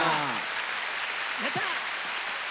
やった！